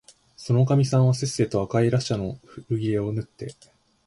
そのおかみさんはせっせと赤いらしゃの古切れをぬって、